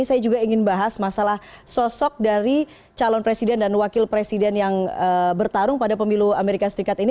saya juga ingin bahas masalah sosok dari calon presiden dan wakil presiden yang bertarung pada pemilu amerika serikat ini